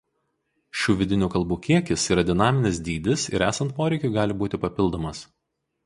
Šių vidinių kalbų kiekis yra dinaminis dydis ir esant poreikiui gali būti papildomas.